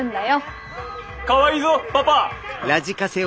かわいいぞパパ！